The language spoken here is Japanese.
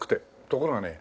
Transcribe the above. ところがね